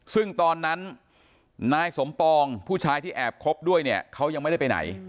ซึ่งตอนนั้นนายสมปองผู้ชายที่แอบคบด้วยเนี่ยเขายังไม่ได้ไปไหน